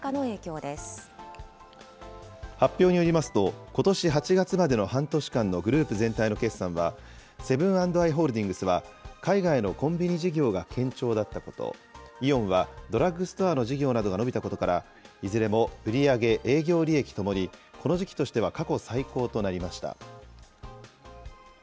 大手流通グループ２社の業績に物発表によりますと、ことし８月までの半年間のグループ全体の決算は、セブン＆アイ・ホールディングスは海外のコンビニ事業が堅調だったこと、イオンはドラッグストアの事業などが伸びたことから、いずれも売り上げ、営業利益ともにこの時期としては過去最高となりました。